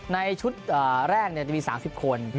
ในชุดแรกจะมี๓๐คน